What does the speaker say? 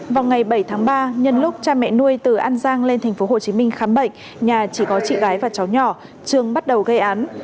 vào ngày bảy tháng ba nhân lúc cha mẹ nuôi từ an giang lên tp hcm khám bệnh nhà chỉ có chị gái và cháu nhỏ trường bắt đầu gây án